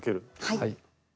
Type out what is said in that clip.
はい。